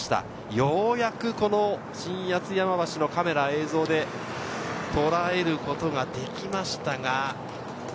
ようやく新八ツ山橋のカメラ、映像でとらえることができましたが。